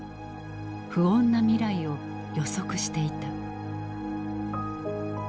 不穏な未来を予測していた。